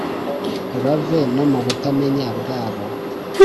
bave no mu butamenya bwabo,